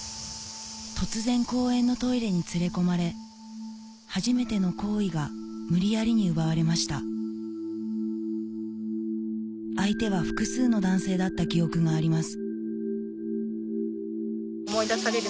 突然公園のトイレに連れ込まれ初めての行為が無理矢理に奪われました相手は複数の男性だった記憶があります